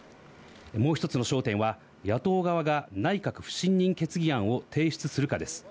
もう１つの焦点は、野党側が内閣不信任決議案を提出するかです。